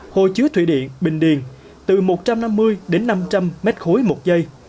hồ chứa thủy điện bình điền từ một trăm năm mươi đến năm trăm linh m ba một giây